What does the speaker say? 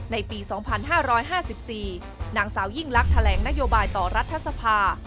ในปี๒๕๕๔นางสาวยิ่งลักษณ์แถลงนโยบายต่อรัฐสภา